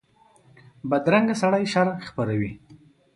بدرنګه سړي شر خپروي